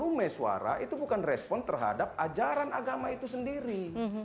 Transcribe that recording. dumai suara itu bukan respon terhadap ajaran agama itu sendiri